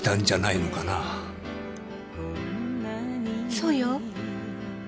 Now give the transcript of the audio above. そうよ。